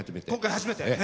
今回、初めて。